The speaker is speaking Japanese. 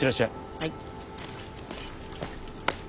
はい。